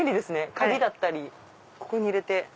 鍵だったりここに入れて。